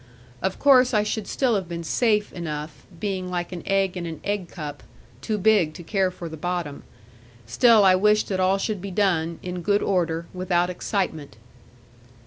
Of course I should still have been safe enough, being like an egg in an egg cup, too big to care for the bottom; still I wished that all should be done, in good order, without excitement.